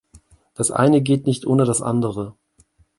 Das eine geht nicht ohne das andere.